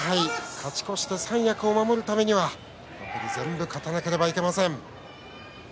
勝ち越して三役を守るためには残り全部勝たなければいけません。